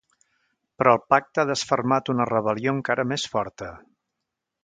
Però el pacte ha desfermat una rebel·lió encara més forta.